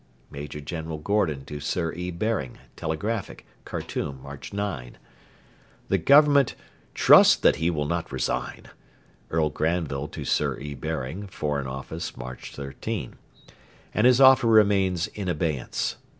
[Major General Gordon to Sir E. Baring (telegraphic), Khartoum, March 9.] The Government 'trust that he will not resign,' [Earl Granville to Sir E. Baring, Foreign Office, March 13.] and his offer remains in abeyance.